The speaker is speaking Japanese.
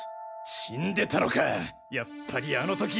死んでたのかやっぱりあの時。